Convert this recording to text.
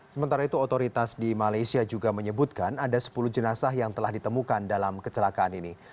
sementara itu otoritas di malaysia juga menyebutkan ada sepuluh jenazah yang telah ditemukan dalam kecelakaan ini